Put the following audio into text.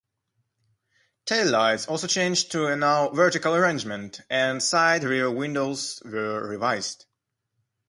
Taillights also changed to a now vertical arrangement and side rear windows were revised.